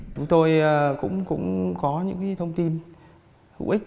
chúng tôi cũng có những thông tin hữu ích